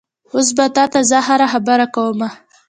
اوس به تا ته زه هره خبره کومه؟